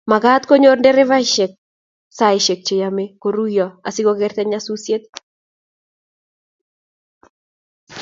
magaat konyor nderefaishek saishek cheyome koruiyo asigogerta nyasusiet